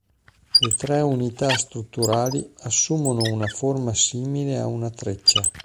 Le tre unità strutturali assumono una forma simile a una treccia.